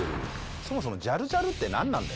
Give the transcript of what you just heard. そもそもジャルジャルって何なんだよ。